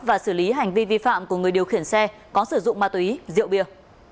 và xử lý hành vi vi phạm của người điều khiển xe có sử dụng ma túy rượu bia